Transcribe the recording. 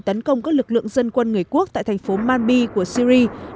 tấn công các lực lượng dân quân người quốc tại thành phố manbi của syri